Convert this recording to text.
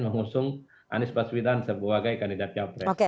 mengusung anies baswidan sebagai kandidat calpres